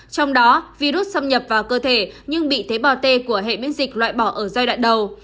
trong đó virus xâm nhập vào cơ thể nhưng bị thế bào t của hệ miễn dịch loại bỏ ở giai đoạn đầu